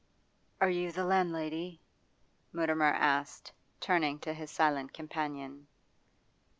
'Are you the landlady?' Mutimer asked, turning to his silent companion.